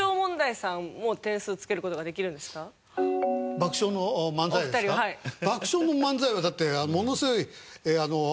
爆笑の漫才はだってものすごい。